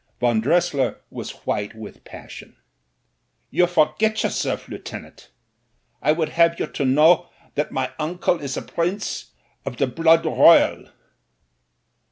Von Dressier was white with passion. "You forget yourself, lieutenant I would have you to know that myjunde is a prince of the blood royal."